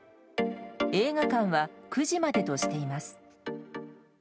映画館は、９時までとしています。